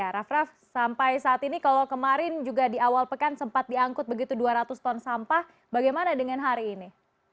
raff raff sampai saat ini kalau kemarin juga di awal pekan sempat diangkut begitu dua ratus ton sampah bagaimana dengan hari ini